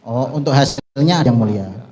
oh untuk hasilnya yang mulia